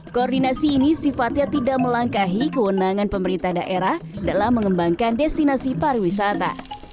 koordinasi ini sifatnya tidak melangkahi kewenangan pemerintah daerah dalam mengembangkan destinasi pariwisata